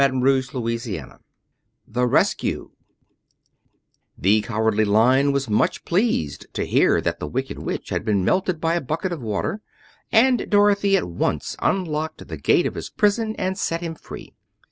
Chapter XIII The Rescue The Cowardly Lion was much pleased to hear that the Wicked Witch had been melted by a bucket of water, and Dorothy at once unlocked the gate of his prison and set him free.